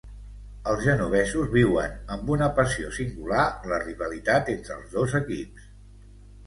Els genovesos viuen amb una passió singular la rivalitat entre els dos equips.